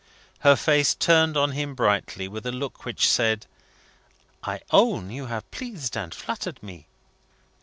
Her face turned on him brightly, with a look which said, "I own you have pleased and flattered me."